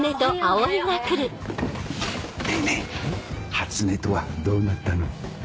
初音とはどうなったの？